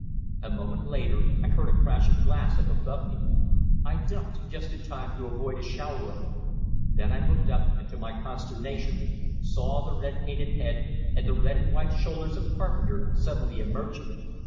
A moment later I heard a crash of glass up above me; I ducked, just in time to avoid a shower of it. Then I looked up, and to my consternation saw the red painted head and the red and white shoulders of Carpenter suddenly emerging.